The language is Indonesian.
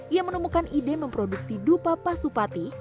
ia menemukan ide memproduksi dupa pasupati